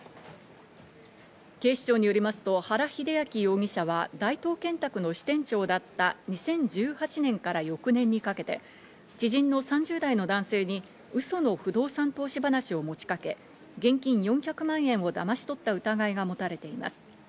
警視庁によりますと、原秀昭容疑者は大東建託の支店長だった２０１８年から翌年にかけて知人の３０代の男性にうその不動産投資話を持ちかけ、現金４００万円をだまし取った疑いが持たれています。